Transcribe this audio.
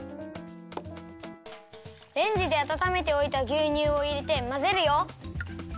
レンジであたためておいたぎゅうにゅうをいれてまぜるよ。